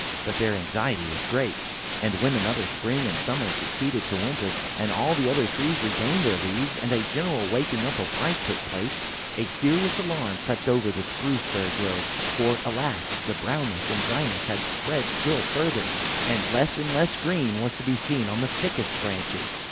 But their anxiety was great, and when another spring and summer succeeded to the winter, and all the other trees regained their leaves, and a general waking up of life took place, a serious alarm crept over the Spruce fir grove; for, alas! the brownness and dryness had spread still further, and less and less of green was to be seen on the thickest branches.